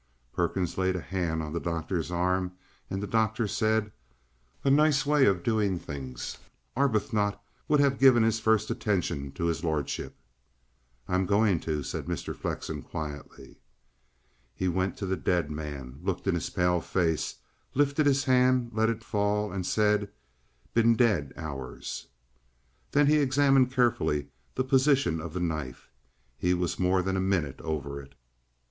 Perkins laid a hand on the doctor's arm, and the doctor said: "A nice way of doing things! Arbuthnot would have given his first attention to his lordship!" "I'm going to," said Mr. Flexen quietly. He went to the dead man, looked in his pale face, lifted his hand, let it fall, and said: "Been dead hours." Then he examined carefully the position of the knife. He was more than a minute over it.